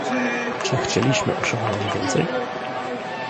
Czy chcieliśmy osiągnąć więcej?